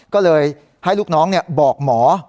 ก็เลยให้ลูกน้องบอกหมอ